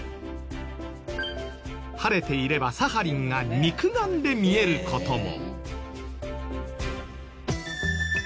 晴れていればサハリンが肉眼で見える事も。